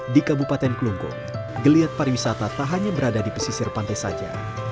di kabupaten kelungkung geliat pariwisata tak hanya berada di pesisir pantai saja